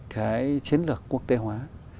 cái chiến lược quốc tế hóa